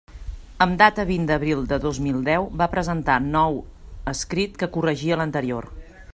Amb data vint d'abril de dos mil deu va presentar nou escrit que corregia l'anterior.